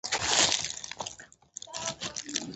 پکتیکا د افغانستان د ملي اقتصاد یوه خورا ګټوره برخه ده.